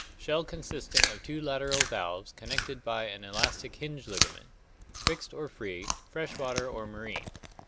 Shell consisting of two lateral valves con nected by an elastic hinge ligament. Fixed or free, fresh water or marine.